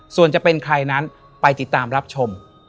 ส่วนจะเป็นใครนั้นไปติดตามรับชม